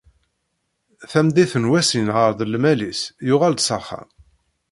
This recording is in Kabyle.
Tameddit n wass yenheṛ-d lmal-is, yuɣal s axxam.